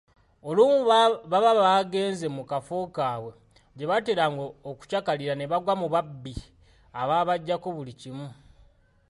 Olumu baba bagenze mu kafo kaabwe gye baateranga okukyakalira ne bagwa mu babbi abaabaggyako buli kimu.